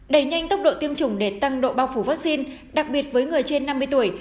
đẩy nhanh tốc độ tiêm chủng để tăng độ bao phủ vaccine đặc biệt với người trên năm mươi tuổi